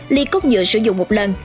ly cốt nhựa sử dụng một lần